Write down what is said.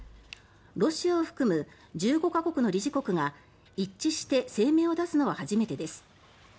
ロシアを含む１５か国の理事国が一致して声明を出すのは初めてです。